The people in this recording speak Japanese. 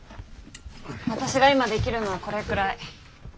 私が今できるのはこれくらい。